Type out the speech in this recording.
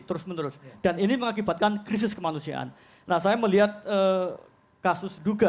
terus menerus dan ini mengakibatkan krisis kemanusiaan nah saya melihat kasus duga kemudian kasus rasisme di surabaya